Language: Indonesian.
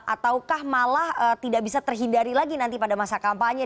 ataukah malah tidak bisa terhindari lagi nanti pada masa kampanye